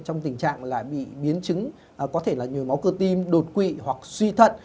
trong tình trạng là bị biến chứng có thể là nhồi máu cơ tim đột quỵ hoặc suy thận